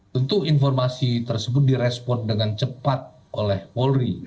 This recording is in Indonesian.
tentu informasi tersebut direspon dengan cepat oleh polri